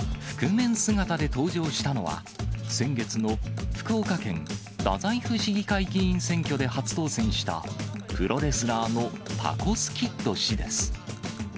覆面姿で登場したのは、先月の福岡県太宰府市議会議員選挙で初当選した、プロレスラーのタコスキッド氏です。